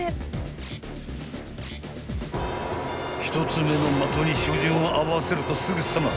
［１つ目の的に照準を合わせるとすぐさま］